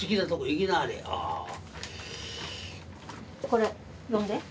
これ読んで。